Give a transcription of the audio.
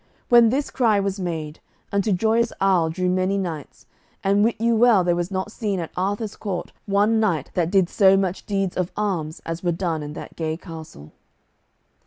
When this cry was made, unto Joyous Isle drew many knights, and wit you well there was not seen at Arthur's court one knight that did so much deeds of arms as were done in that gay castle.